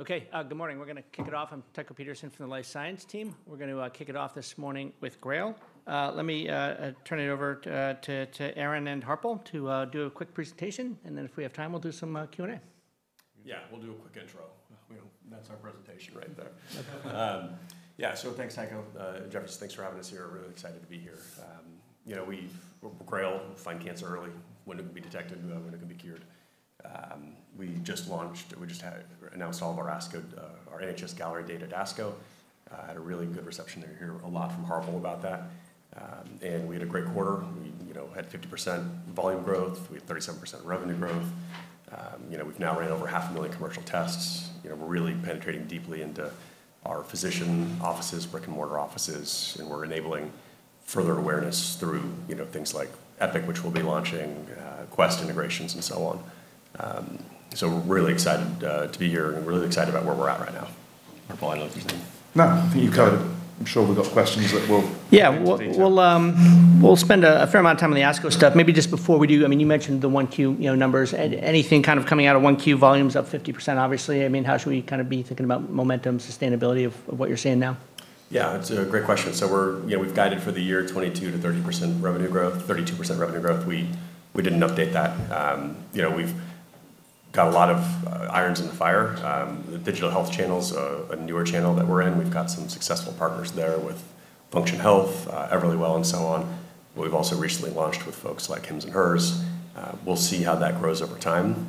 Okay. Good morning. We're going to kick it off. I'm Tycho Peterson from the Life Science team. We're going to kick it off this morning with GRAIL. Let me turn it over to Aaron and Harpal to do a quick presentation, and then if we have time, we'll do some Q&A. Yeah, we'll do a quick intro. That's our presentation right there. Yeah. Thanks, Tycho Peterson. Jefferies, thanks for having us here. Really excited to be here. GRAIL, find cancer early, when it can be detected, when it can be cured. We just launched, we just announced all of our NHS-Galleri data at ASCO. Had a really good reception there. You'll hear a lot from Harpal about that. We had a great quarter. We had 50% volume growth. We had 37% revenue growth. We've now ran over 500,000 commercial tests. We're really penetrating deeply into our physician offices, brick-and-mortar offices, and we're enabling further awareness through things like Epic, which we'll be launching, Quest integrations, and so on. We're really excited to be here, and we're really excited about where we're at right now. Harpal, do you want to- No. I'm sure we've got questions that we'll get into detail. Yeah. We'll spend a fair amount of time on the ASCO stuff. Maybe just before we do, you mentioned the 1Q numbers. Anything kind of coming out of 1Q? Volume's up 50%, obviously. How should we be thinking about momentum, sustainability of what you're seeing now? Yeah. It's a great question. We've guided for the year 22%-30% revenue growth, 32% revenue growth. We didn't update that. We've got a lot of irons in the fire. The digital health channel's a newer channel that we're in. We've got some successful partners there with Function Health, Everlywell, and so on. We've also recently launched with folks like Hims & Hers. We'll see how that grows over time.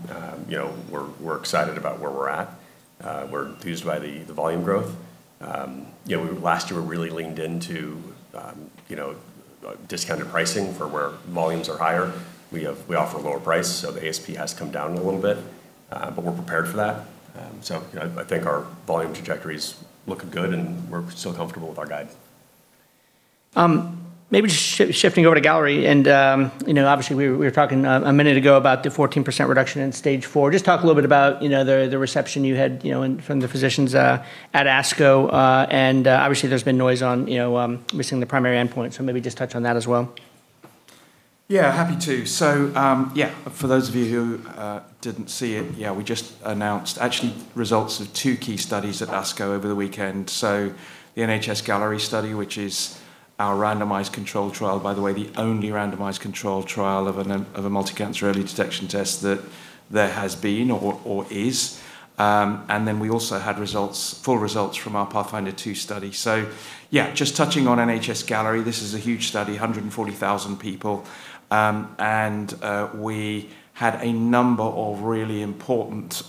We're excited about where we're at. We're enthused by the volume growth. Last year, we really leaned into discounted pricing for where volumes are higher. We offer a lower price, so the ASP has come down a little bit. We're prepared for that. I think our volume trajectory's looking good, and we're still comfortable with our guide. Maybe just shifting over to Galleri, obviously we were talking a minute ago about the 14% reduction in Stage 4. Just talk a little bit about the reception you had from the physicians at ASCO. Obviously there's been noise on missing the primary endpoint, maybe just touch on that as well. Happy to. Yeah, for those of you who didn't see it, yeah, we just announced actually results of two key studies at ASCO over the weekend. The NHS-Galleri study, which is our randomized controlled trial, by the way, the only randomized controlled trial of a multi-cancer early detection test that there has been or is. We also had full results from our PATHFINDER 2 study. Yeah, just touching on NHS-Galleri, this is a huge study, 140,000 people. We had a number of really important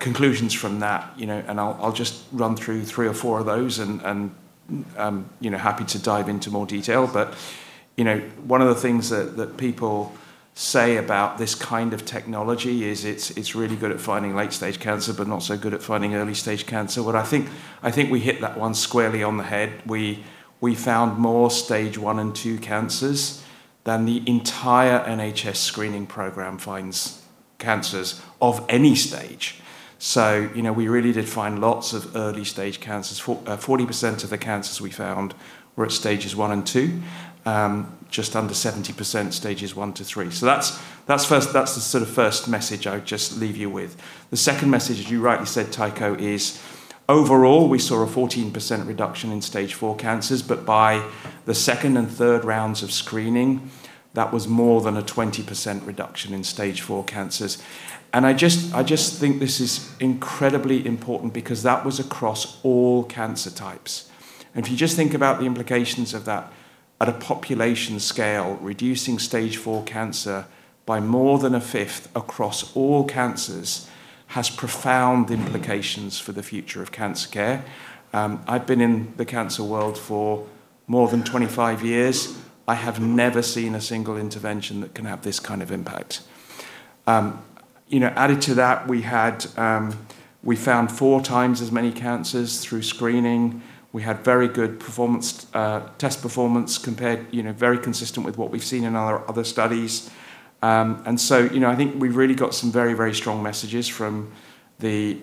conclusions from that. I'll just run through three or four of those, and happy to dive into more detail. One of the things that people say about this kind of technology is it's really good at finding late-stage cancer, but not so good at finding early-stage cancer. I think we hit that one squarely on the head. We found more Stage 1 and 2 cancers than the entire NHS screening program finds cancers of any stage. We really did find lots of early-stage cancers. 40% of the cancers we found were at Stages 1 and 2. Just under 70% Stages 1 to 3. That's the sort of first message I would just leave you with. The second message, as you rightly said, Tycho, is overall, we saw a 14% reduction in Stage 4 cancers. By the second and third rounds of screening, that was more than a 20% reduction in Stage 4 cancers. I just think this is incredibly important because that was across all cancer types. If you just think about the implications of that at a population scale, reducing Stage 4 cancer by more than a fifth across all cancers has profound implications for the future of cancer care. I've been in the cancer world for more than 25 years. I have never seen a single intervention that can have this kind of impact. Added to that, we found four times as many cancers through screening. We had very good test performance compared, very consistent with what we've seen in our other studies. I think we've really got some very, very strong messages from the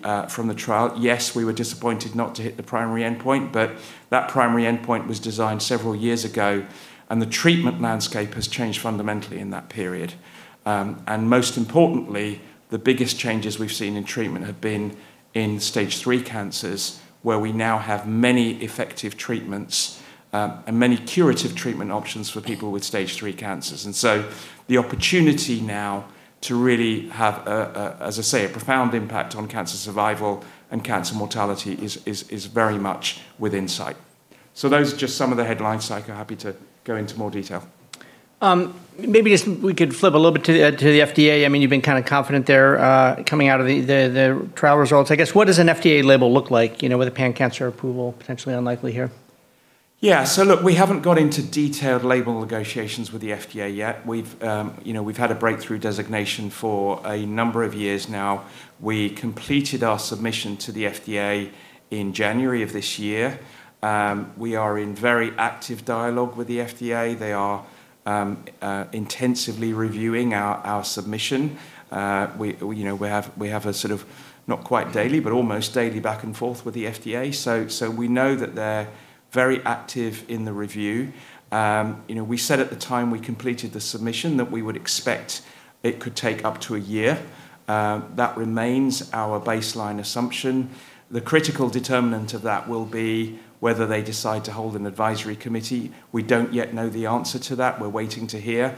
trial. Yes, we were disappointed not to hit the primary endpoint, but that primary endpoint was designed several years ago, and the treatment landscape has changed fundamentally in that period. Most importantly, the biggest changes we've seen in treatment have been in Stage 3 cancers, where we now have many effective treatments and many curative treatment options for people with Stage 3 cancers. The opportunity now to really have, as I say, a profound impact on cancer survival and cancer mortality is very much within sight. Those are just some of the headlines, Tycho. Happy to go into more detail. If we could flip a little bit to the FDA. You've been kind of confident there, coming out of the trial results. I guess, what does an FDA label look like, with a pan-cancer approval potentially unlikely here? Yeah. Look, we haven't got into detailed label negotiations with the FDA yet. We've had a Breakthrough Designation for a number of years now. We completed our submission to the FDA in January of this year. We are in very active dialogue with the FDA. They are intensively reviewing our submission. We have a sort of not quite daily, but almost daily back and forth with the FDA. We know that they're very active in the review. We said at the time we completed the submission that we would expect it could take up to a year. That remains our baseline assumption. The critical determinant of that will be whether they decide to hold an advisory committee. We don't yet know the answer to that. We're waiting to hear.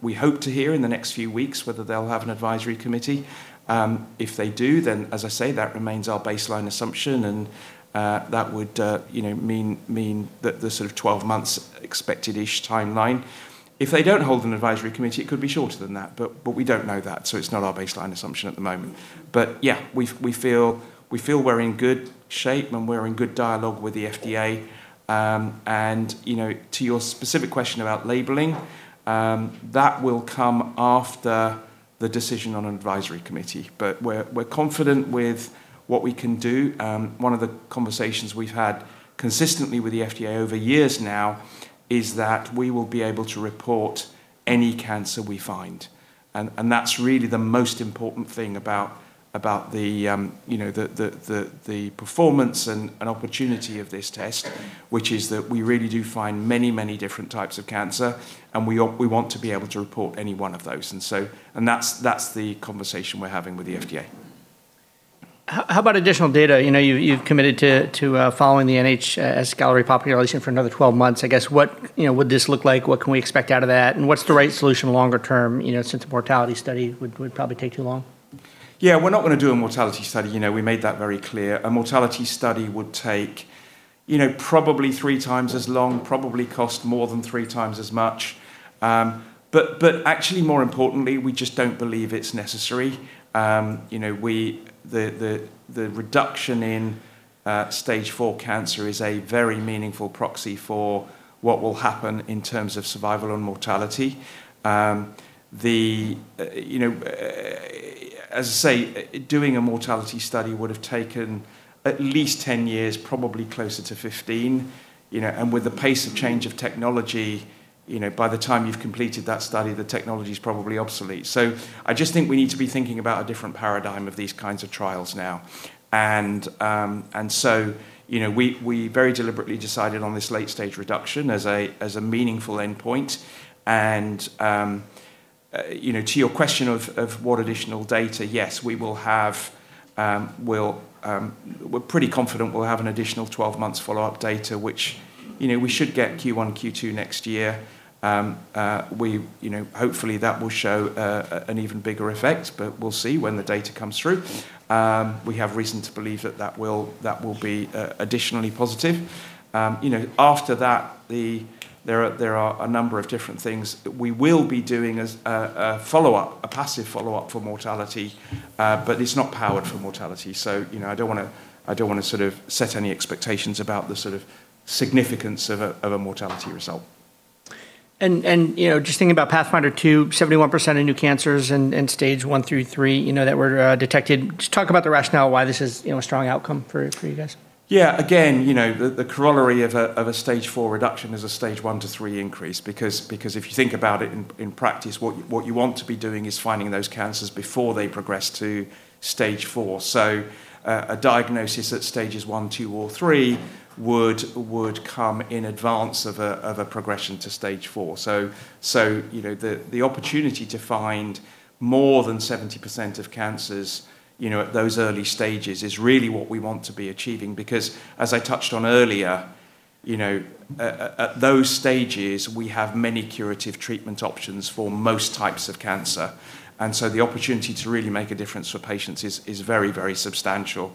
We hope to hear in the next few weeks whether they'll have an advisory committee. If they do, then, as I say, that remains our baseline assumption, and that would mean the sort of 12 months expected-ish timeline. If they don't hold an advisory committee, it could be shorter than that, but we don't know that, so it's not our baseline assumption at the moment. Yeah, we feel we're in good shape, and we're in good dialogue with the FDA. To your specific question about labeling, that will come after the decision on an advisory committee. We're confident with what we can do. One of the conversations we've had consistently with the FDA over years now is that we will be able to report any cancer we find, and that's really the most important thing about the performance and opportunity of this test, which is that we really do find many different types of cancer, and we want to be able to report any one of those. That's the conversation we're having with the FDA. How about additional data? You've committed to following the NHS-Galleri population for another 12 months. I guess, what would this look like? What can we expect out of that? What's the right solution longer term, since a mortality study would probably take too long? Yeah. We're not going to do a mortality study. We made that very clear. A mortality study would take probably three times as long, probably cost more than three times as much. Actually, more importantly, we just don't believe it's necessary. The reduction in stage 4 cancer is a very meaningful proxy for what will happen in terms of survival and mortality. As I say, doing a mortality study would have taken at least 10 years, probably closer to 15, and with the pace of change of technology, by the time you've completed that study, the technology's probably obsolete. I just think we need to be thinking about a different paradigm of these kinds of trials now. We very deliberately decided on this late-stage reduction as a meaningful endpoint. To your question of what additional data, yes, we're pretty confident we'll have an additional 12 months follow-up data, which we should get Q1, Q2 next year. Hopefully, that will show an even bigger effect, but we'll see when the data comes through. We have reason to believe that that will be additionally positive. After that, there are a number of different things that we will be doing as a follow-up, a passive follow-up for mortality. It's not powered for mortality. I don't want to set any expectations about the sort of significance of a mortality result. Just thinking about PATHFINDER 2, 71% of new cancers in stage 1 through 3 that were detected. Just talk about the rationale why this is a strong outcome for you guys. Again, the corollary of a stage 4 reduction is a stage 1 to 3 increase, if you think about it in practice, what you want to be doing is finding those cancers before they progress to stage 4. A diagnosis at stages 1, 2, or 3 would come in advance of a progression to stage 4. The opportunity to find more than 70% of cancers at those early stages is really what we want to be achieving, as I touched on earlier, at those stages, we have many curative treatment options for most types of cancer. The opportunity to really make a difference for patients is very substantial.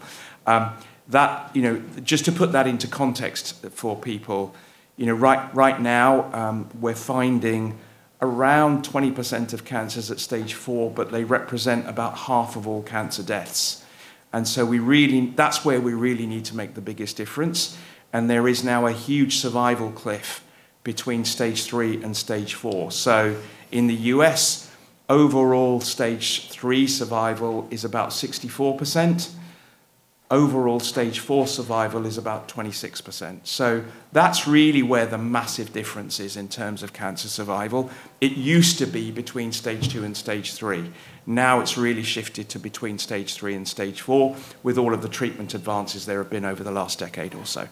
Just to put that into context for people, right now, we're finding around 20% of cancers at stage 4, they represent about half of all cancer deaths. That's where we really need to make the biggest difference, and there is now a huge survival cliff between stage 3 and stage 4. In the U.S., overall stage 3 survival is about 64%. Overall stage 4 survival is about 26%. That's really where the massive difference is in terms of cancer survival. It used to be between stage 2 and stage 3. Now it's really shifted to between stage 3 and stage 4, with all of the treatment advances there have been over the last decade or so.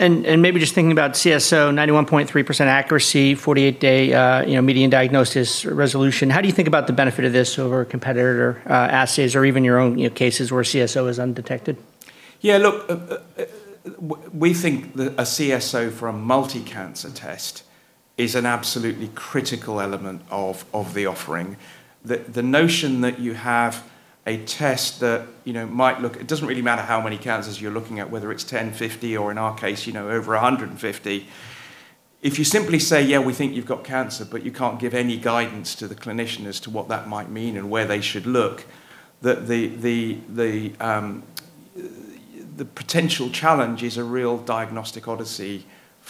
Maybe just thinking about CSO, 91.3% accuracy, 48-day median diagnosis resolution. How do you think about the benefit of this over competitor assays or even your own cases where CSO is undetected? Yeah, look, we think that a CSO for a multi-cancer test is an absolutely critical element of the offering. The notion that you have a test that it doesn't really matter how many cancers you're looking at, whether it's 10, 50, or in our case over 150. If you simply say, "Yeah, we think you've got cancer," but you can't give any guidance to the clinician as to what that might mean and where they should look, the potential challenge is a real diagnostic odyssey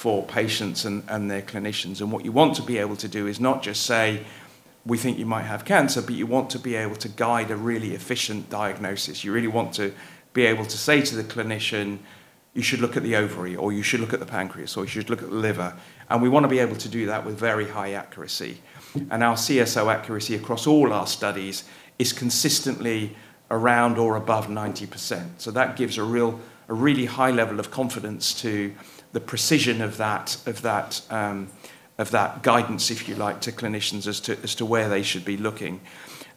for patients and their clinicians. What you want to be able to do is not just say, We think you might have cancer, but you want to be able to guide a really efficient diagnosis. You really want to be able to say to the clinician, "You should look at the ovary," or, "You should look at the pancreas," or, "You should look at the liver." We want to be able to do that with very high accuracy. Our CSO accuracy across all our studies is consistently around or above 90%. That gives a really high level of confidence to the precision of that guidance, if you like, to clinicians as to where they should be looking.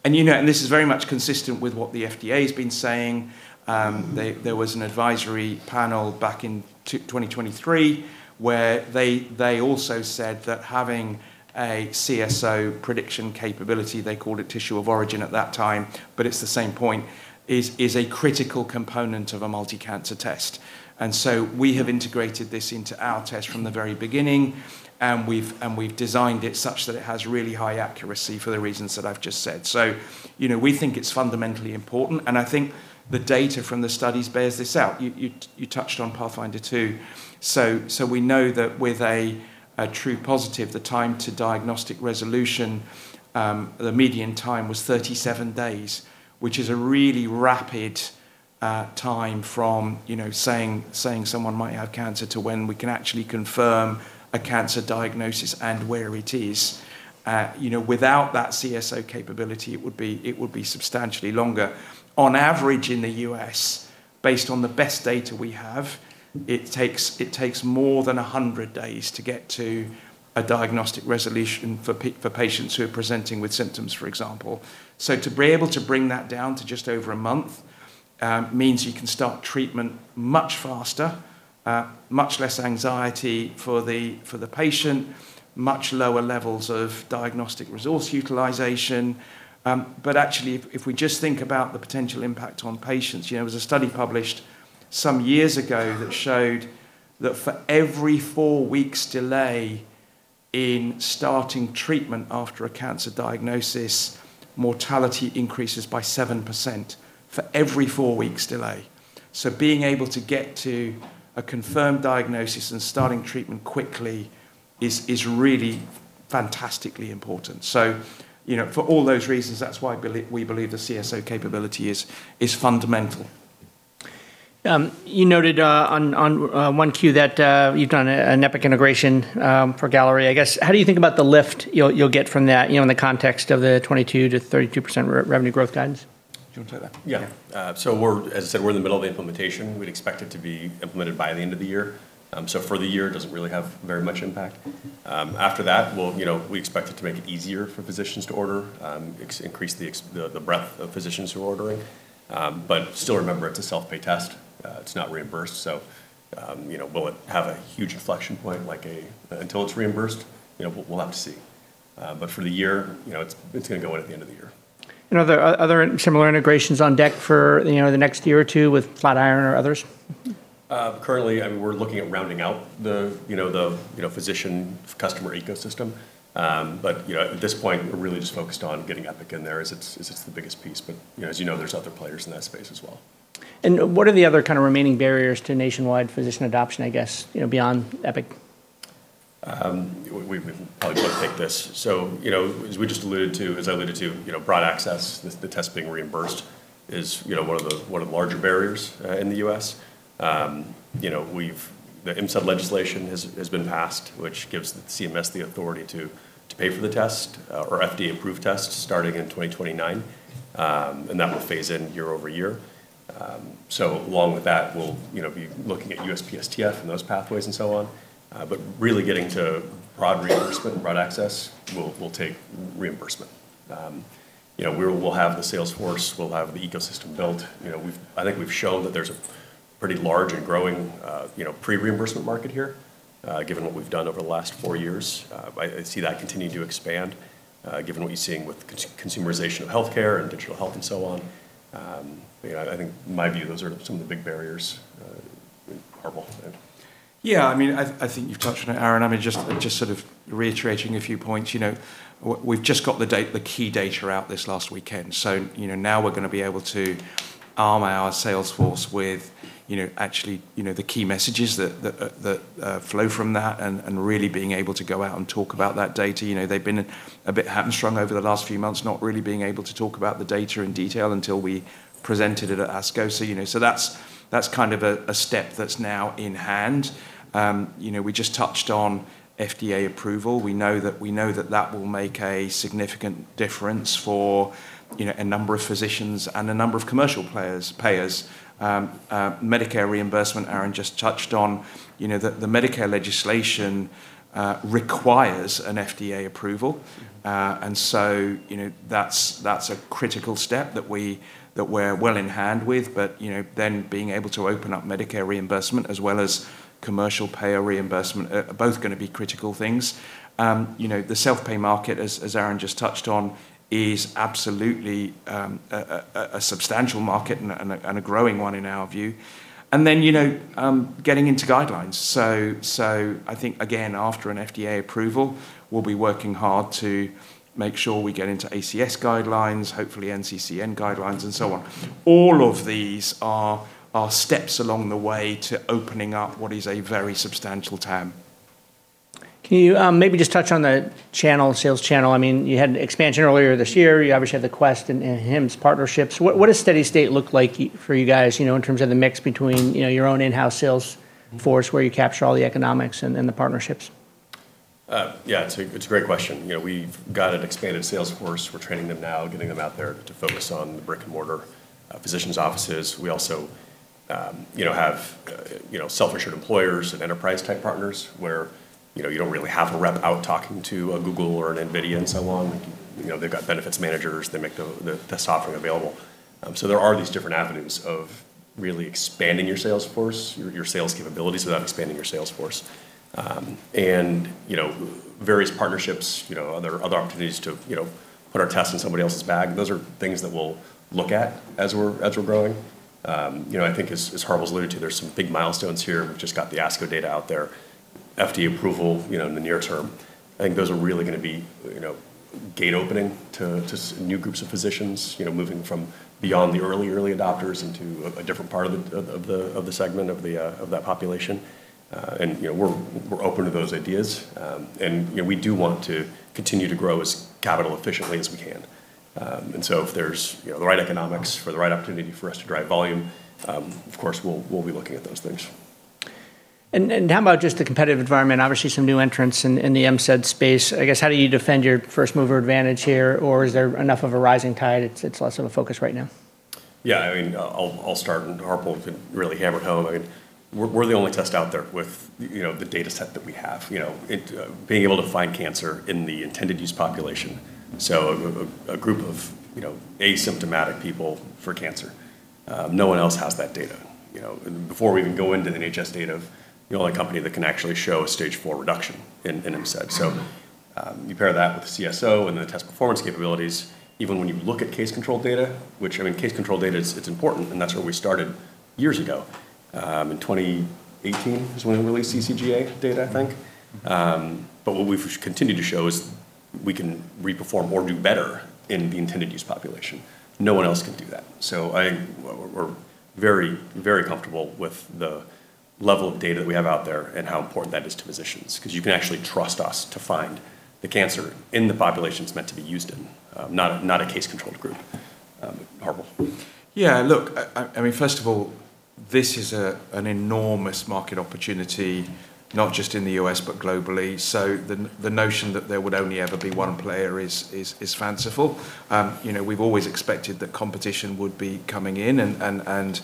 This is very much consistent with what the FDA has been saying. There was an advisory panel back in 2023 where they also said that having a CSO prediction capability, they called it tissue of origin at that time, but it's the same point, is a critical component of a multi-cancer test. We have integrated this into our test from the very beginning, and we've designed it such that it has really high accuracy for the reasons that I've just said. We think it's fundamentally important, and I think the data from the studies bears this out. You touched on PATHFINDER 2. We know that with a true positive, the time to diagnostic resolution, the median time was 37 days, which is a really rapid time from saying someone might have cancer to when we can actually confirm a cancer diagnosis and where it is. Without that CSO capability, it would be substantially longer. On average in the U.S., based on the best data we have, it takes more than 100 days to get to a diagnostic resolution for patients who are presenting with symptoms, for example. To be able to bring that down to just over a month means you can start treatment much faster, much less anxiety for the patient, much lower levels of diagnostic resource utilization. Actually, if we just think about the potential impact on patients, there was a study published some years ago that showed that for every four weeks delay in starting treatment after a cancer diagnosis, mortality increases by 7% for every four weeks delay. Being able to get to a confirmed diagnosis and starting treatment quickly is really fantastically important. For all those reasons, that's why we believe the CSO capability is fundamental. You noted on 1Q that you've done an Epic integration for Galleri. I guess, how do you think about the lift you'll get from that in the context of the 22%-32% revenue growth guidance? Do you want to take that? As I said, we're in the middle of the implementation. We'd expect it to be implemented by the end of the year. For the year, it doesn't really have very much impact. After that, we expect it to make it easier for physicians to order, increase the breadth of physicians who are ordering. Still, remember, it's a self-pay test. It's not reimbursed. Will it have a huge reflection point until it's reimbursed? We'll have to see. For the year, it's going to go in at the end of the year. Are there other similar integrations on deck for the next year or two with Flatiron or others? Currently, we're looking at rounding out the physician customer ecosystem. At this point, we're really just focused on getting Epic in there as it's the biggest piece. As you know, there's other players in that space as well. What are the other remaining barriers to nationwide physician adoption, I guess, beyond Epic? We probably could have picked this. As I alluded to, broad access, the test being reimbursed is one of the larger barriers in the U.S. The MCED legislation has been passed, which gives CMS the authority to pay for the test or FDA-approved tests starting in 2029, and that will phase in year over year. Along with that, we'll be looking at USPSTF and those pathways and so on. Really getting to broad reimbursement and broad access will take reimbursement. We'll have the sales force, we'll have the ecosystem built. I think we've shown that there's a pretty large and growing pre-reimbursement market here, given what we've done over the last four years. I see that continuing to expand, given what you're seeing with the consumerization of healthcare and digital health and so on. I think in my view, those are some of the big barriers. Harpal? Yeah, I think you've touched on it, Aaron. Just sort of reiterating a few points. Now we're going to be able to arm our sales force with actually the key messages that flow from that and really being able to go out and talk about that data. They've been a bit hamstrung over the last few months, not really being able to talk about the data in detail until we presented it at ASCO. That's kind of a step that's now in hand. We just touched on FDA approval. We know that will make a significant difference for a number of physicians and a number of commercial payers. Medicare reimbursement, Aaron just touched on, the Medicare legislation requires an FDA approval. That's a critical step that we're well in hand with. Being able to open up Medicare reimbursement as well as commercial payer reimbursement are both going to be critical things. The self-pay market, as Aaron just touched on, is absolutely a substantial market and a growing one in our view. Getting into guidelines. I think, again, after an FDA approval, we'll be working hard to make sure we get into ACS guidelines, hopefully NCCN guidelines, and so on. All of these are steps along the way to opening up what is a very substantial TAM Can you maybe just touch on the sales channel? You had an expansion earlier this year. You obviously had the Quest and Hims partnerships. What does steady state look like for you guys in terms of the mix between your own in-house sales force, where you capture all the economics, and then the partnerships? Yeah. It's a great question. We've got an expanded sales force. We're training them now, getting them out there to focus on the brick-and-mortar physicians offices. We also have self-insured employers and enterprise-type partners where you don't really have a rep out talking to a Google or an NVIDIA and so on. They've got benefits managers. They make the software available. There are these different avenues of really expanding your sales force, your sales capabilities without expanding your sales force. Various partnerships, other opportunities to put our test in somebody else's bag. Those are things that we'll look at as we're growing. I think as Harpal's alluded to, there's some big milestones here. We've just got the ASCO data out there, FDA approval in the near term. I think those are really going to be gate opening to new groups of physicians, moving from beyond the early adopters into a different part of the segment of that population. We're open to those ideas. We do want to continue to grow as capital efficiently as we can. If there's the right economics or the right opportunity for us to drive volume, of course, we'll be looking at those things. How about just the competitive environment? Obviously, some new entrants in the MCED space. How do you defend your first-mover advantage here, or is there enough of a rising tide, it's less of a focus right now? I'll start, Harpal can really hammer it home. We're the only test out there with the data set that we have. Being able to find cancer in the intended use population, so a group of asymptomatic people for cancer. No one else has that data. Before we even go into NHS data, we're the only company that can actually show a stage 4 reduction in MCED. You pair that with the CSO and the test performance capabilities, even when you look at case control data, which case control data is important, and that's where we started years ago. In 2018 is when we released CCGA data, I think. What we've continued to show is we can re-perform or do better in the intended use population. No one else can do that. I think we're very comfortable with the level of data that we have out there and how important that is to physicians, because you can actually trust us to find the cancer in the population it's meant to be used in, not a case-controlled group. Harpal. Look, first of all, this is an enormous market opportunity, not just in the U.S., but globally. The notion that there would only ever be one player is fanciful. We've always expected that competition would be coming in, and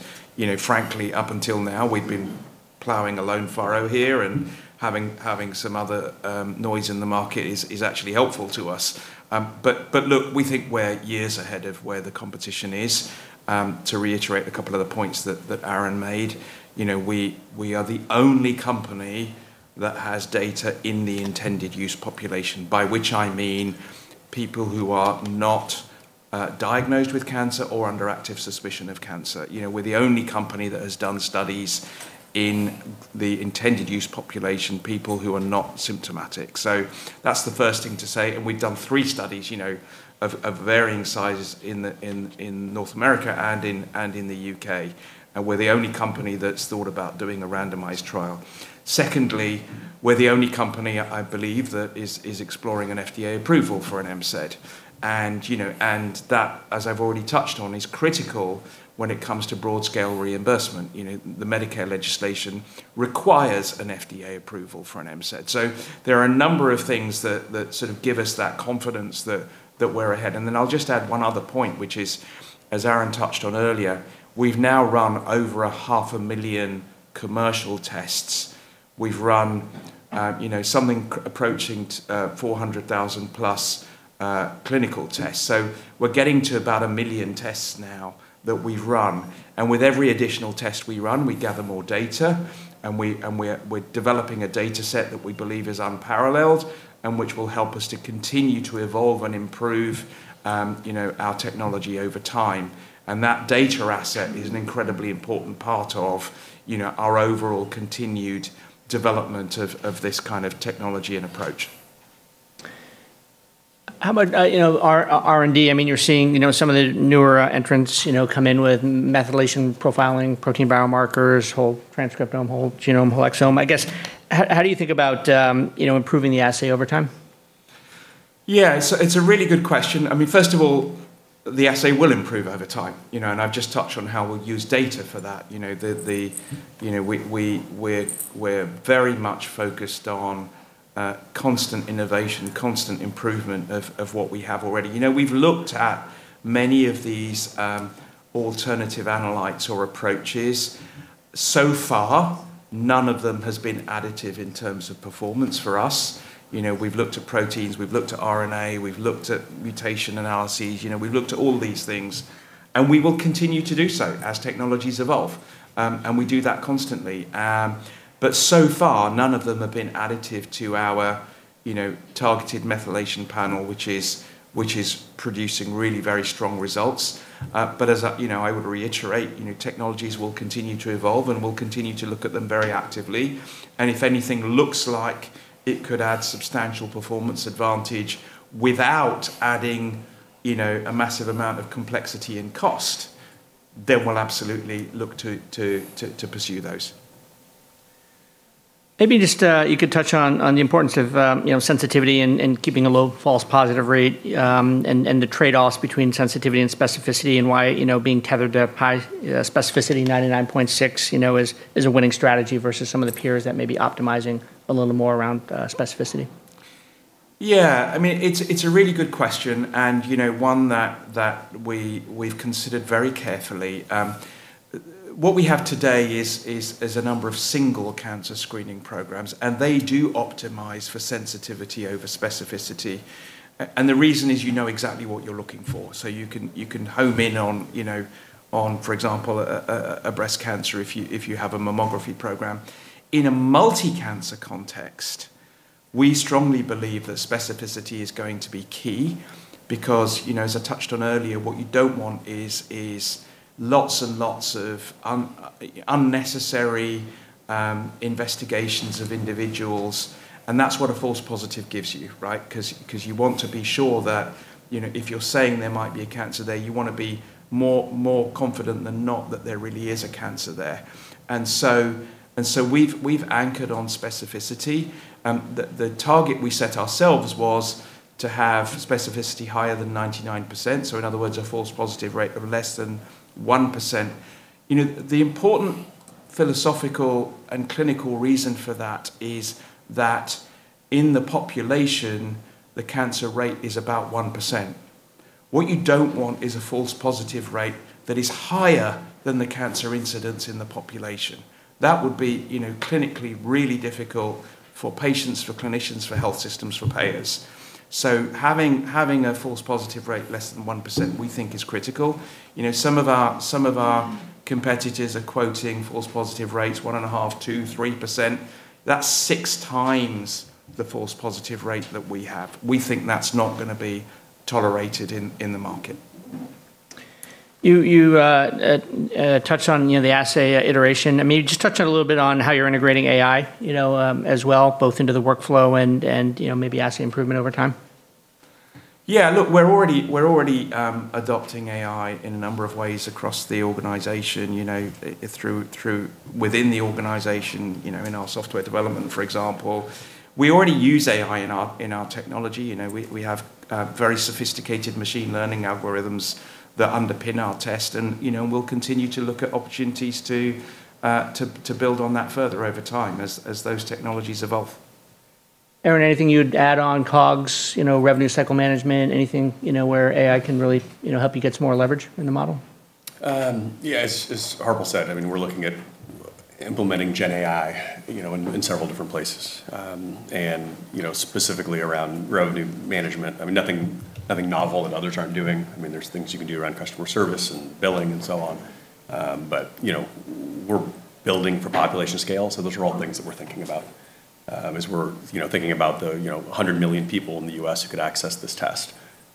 frankly, up until now, we've been plowing a lone furrow here, and having some other noise in the market is actually helpful to us. Look, we think we're years ahead of where the competition is. To reiterate a couple of the points that Aaron made, we are the only company that has data in the intended use population, by which I mean people who are not diagnosed with cancer or under active suspicion of cancer. We're the only company that has done studies in the intended use population, people who are not symptomatic. That's the first thing to say, and we've done three studies of varying sizes in North America and in the U.K. We're the only company that's thought about doing a randomized trial. Secondly, we're the only company, I believe, that is exploring an FDA approval for an MCED. That, as I've already touched on, is critical when it comes to broad-scale reimbursement. The Medicare legislation requires an FDA approval for an MCED. There are a number of things that give us that confidence that we're ahead. I'll just add one other point, which is, as Aaron touched on earlier, we've now run over a half a million commercial tests. We've run something approaching 400,000+ clinical tests. We're getting to about a million tests now that we've run. With every additional test we run, we gather more data, and we're developing a data set that we believe is unparalleled and which will help us to continue to evolve and improve our technology over time. That data asset is an incredibly important part of our overall continued development of this kind of technology and approach. How about R&D? You're seeing some of the newer entrants come in with methylation profiling, protein biomarkers, whole transcriptome, whole genome, whole exome. How do you think about improving the assay over time? Yeah. It's a really good question. First of all, the assay will improve over time, and I've just touched on how we'll use data for that. We're very much focused on constant innovation, constant improvement of what we have already. We've looked at many of these alternative analytes or approaches. So far, none of them has been additive in terms of performance for us. We've looked at proteins, we've looked at RNA, we've looked at mutation analyses. We've looked at all these things, and we will continue to do so as technologies evolve. We do that constantly. So far, none of them have been additive to our targeted methylation panel, which is producing really very strong results. As I would reiterate, technologies will continue to evolve, and we'll continue to look at them very actively. If anything looks like it could add substantial performance advantage without adding a massive amount of complexity and cost then we'll absolutely look to pursue those. Maybe just, you could touch on the importance of sensitivity and keeping a low false positive rate, and the trade-offs between sensitivity and specificity and why being tethered to a high specificity, 99.6, is a winning strategy versus some of the peers that may be optimizing a little more around specificity. Yeah. It's a really good question, and one that we've considered very carefully. What we have today is a number of single cancer screening programs, and they do optimize for sensitivity over specificity. The reason is you know exactly what you're looking for, so you can home in on, for example, a breast cancer if you have a mammography program. In a multi-cancer context, we strongly believe that specificity is going to be key because, as I touched on earlier, what you don't want is lots and lots of unnecessary investigations of individuals, and that's what a false positive gives you, right? Because you want to be sure that if you're saying there might be a cancer there, you want to be more confident than not that there really is a cancer there. So we've anchored on specificity. The target we set ourselves was to have specificity higher than 99%, so in other words, a false positive rate of less than 1%. The important philosophical and clinical reason for that is that in the population, the cancer rate is about 1%. What you don't want is a false positive rate that is higher than the cancer incidence in the population. That would be clinically really difficult for patients, for clinicians, for health systems, for payers. Having a false positive rate less than 1% we think is critical. Some of our competitors are quoting false positive rates 1.5%, 2%, 3%. That's 6 times the false positive rate that we have. We think that's not going to be tolerated in the market. You touched on the assay iteration. Just touch on a little bit on how you're integrating AI, as well, both into the workflow and maybe assay improvement over time. Yeah, look, we're already adopting AI in a number of ways across the organization, within the organization, in our software development, for example. We already use AI in our technology. We have very sophisticated machine learning algorithms that underpin our test, and we'll continue to look at opportunities to build on that further over time as those technologies evolve. Aaron, anything you'd add on COGS, revenue cycle management, anything, where AI can really help you get some more leverage in the model? As Harpal said, we're looking at implementing GenAI in several different places, and specifically around revenue management. Nothing novel that others aren't doing. There's things you can do around customer service and billing and so on. We're building for population scale, so those are all things that we're thinking about as we're thinking about the 100 million people in the U.S. who could access this test.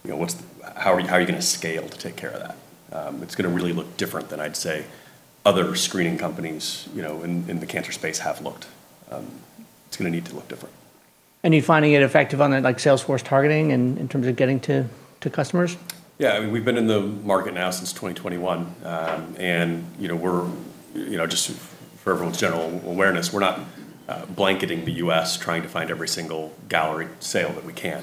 How are you going to scale to take care of that? It's going to really look different than I'd say other screening companies in the cancer space have looked. It's going to need to look different. You're finding it effective on sales force targeting in terms of getting to customers? Yeah. We've been in the market now since 2021. Just for everyone's general awareness, we're not blanketing the U.S. trying to find every single Galleri sale that we can.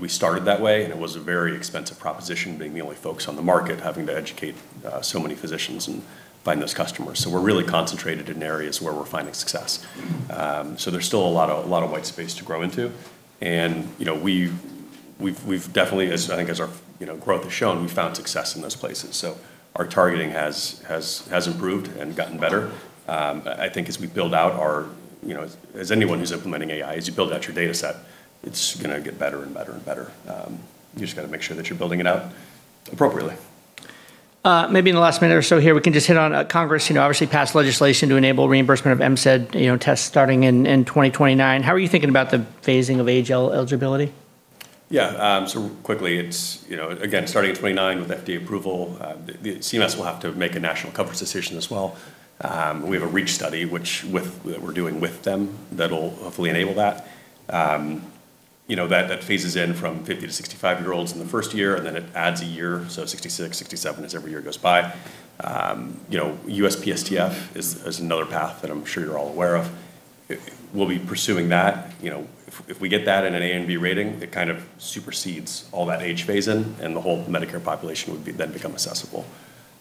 We started that way, and it was a very expensive proposition, being the only folks on the market having to educate so many physicians and find those customers. We're really concentrated in areas where we're finding success. There's still a lot of white space to grow into, and we've definitely, I think as our growth has shown, we've found success in those places. Our targeting has improved and gotten better. I think as anyone who's implementing AI, as you build out your data set, it's going to get better and better and better. You've just got to make sure that you're building it out appropriately. Maybe in the last minute or so here, we can just hit on Congress obviously passed legislation to enable reimbursement of MCED tests starting in 2029. How are you thinking about the phasing of age eligibility? Yeah. Quickly, it's, again, starting in 2029 with FDA approval. The CMS will have to make a national coverage decision as well. We have a REACH study, which we're doing with them that'll hopefully enable that. That phases in from 50-65-year-olds in the first year, and then it adds a year, so 66, 67, as every year goes by. USPSTF is another path that I'm sure you're all aware of. We'll be pursuing that. If we get that in an A and B rating, it kind of supersedes all that age phase-in, and the whole Medicare population would then become accessible.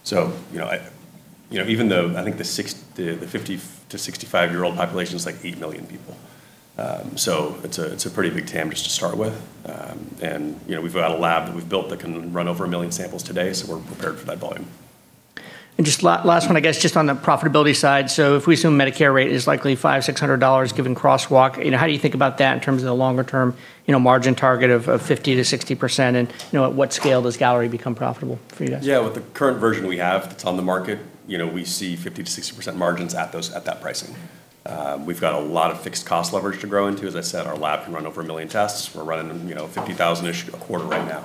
Even though I think the 50-65-year-old population is like eight million people, so it's a pretty big TAM just to start with. we've got a lab that we've built that can run over one million samples today, so we're prepared for that volume. Just last one, I guess, just on the profitability side. If we assume Medicare rate is likely $500, $600 given crosswalk, how do you think about that in terms of the longer-term margin target of 50%-60%? At what scale does Galleri become profitable for you guys? Yeah, with the current version we have that's on the market, we see 50%-60% margins at that pricing. We've got a lot of fixed cost leverage to grow into. As I said, our lab can run over one million tests. We're running them 50,000-ish a quarter right now.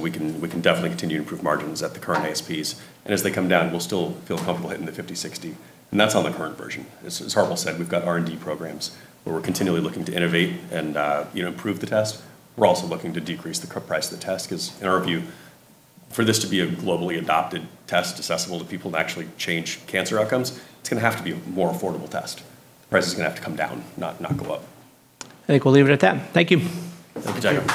We can definitely continue to improve margins at the current ASPs. As they come down, we'll still feel comfortable hitting the 50%-60%. That's on the current version. As Harpal said, we've got R&D programs where we're continually looking to innovate and improve the test. We're also looking to decrease the price of the test because in our view, for this to be a globally adopted test accessible to people to actually change cancer outcomes, it's going to have to be a more affordable test. The price is going to have to come down, not go up. I think we'll leave it at that. Thank you. Thank you.